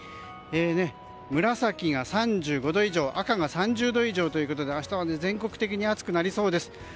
紫が３５度以上赤が３０度以上ということで明日は全国的に暑くなりそうです。